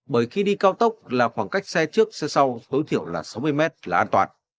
bởi khi đi cao tốc là khoảng cách xe trước xe sau tối thiểu là sáu mươi mét là an toàn